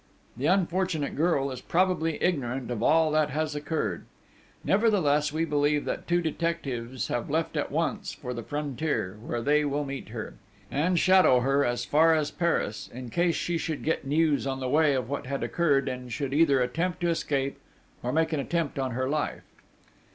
The unfortunate girl is probably ignorant of all that has occurred. Nevertheless, we believe that two detectives have left at once for the frontier, where they will meet her, and shadow her as far as Paris, in case she should get news on the way of what had occurred, and should either attempt to escape, or make an attempt on her life.